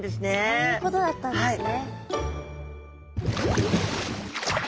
そういうことだったんですね。